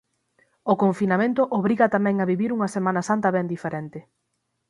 O confinamento obriga tamén a vivir unha Semana Santa ben diferente.